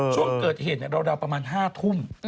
ช่วงเกิดเหตุราวประมาณ๕ทุ่ม